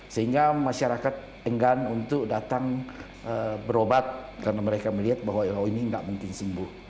sehingga masyarakat enggan untuk datang berobat karena mereka melihat bahwa oh ini nggak mungkin sembuh